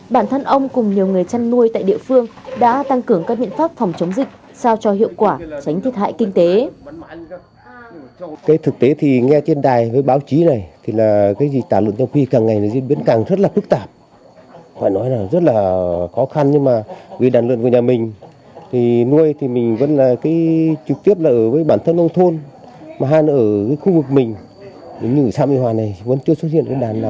bản thân ông cùng nhiều người chăn nuôi tại địa phương đã tăng cường các biện pháp phòng chống dịch sao cho hiệu quả tránh thiệt hại kinh tế